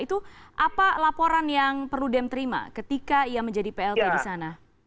itu apa laporan yang perlu dem terima ketika ia menjadi plt di sana